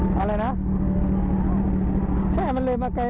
ปลารดี